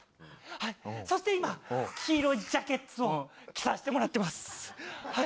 はい、そして今、黄色いジャケッツを着させてもらってます。